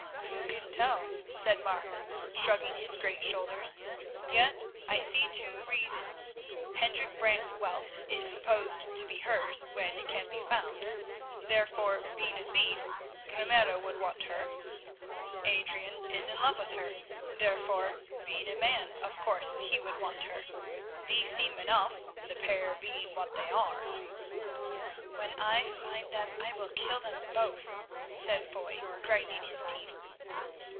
"Who can tell?" said Martin shrugging his great shoulders. "Yet I see two reasons. Hendrik Brant's wealth is supposed to be hers when it can be found; therefore, being a thief, Ramiro would want her. Adrian is in love with her; therefore, being a man, of course he would want her. These seem enough, the pair being what they are." "When I find them I will kill them both," said Foy, grinding his teeth.